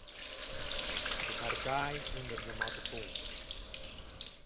Ik ha de kaai ûnder de matte fûn.